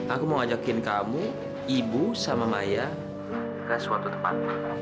aku mau ajakin kamu ibu sama maya ke suatu tempat